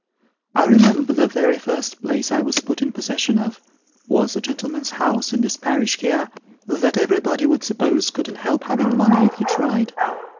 I remember the very first place I was put in possession of, was a gentleman's house in this parish here, that everybody would suppose couldn't help having money if he tried.